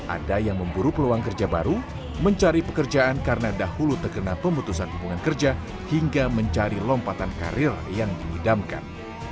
ada yang memburu peluang kerja baru mencari pekerjaan karena dahulu terkena pemutusan hubungan kerja hingga mencari lompatan karir yang diidamkan